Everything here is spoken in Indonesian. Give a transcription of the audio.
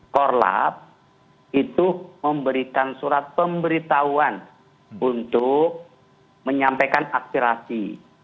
korlap itu memberikan surat pemberitahuan untuk menyampaikan aspirasi